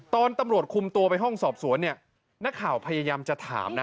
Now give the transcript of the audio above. ตอนตำรวจคุมตัวไปห้องสอบสวนเนี่ยนักข่าวพยายามจะถามนะ